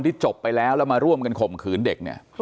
ที่จบไปแล้วแล้วมาร่วมกันข่มขืนเด็ก